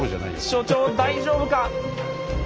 所長大丈夫か？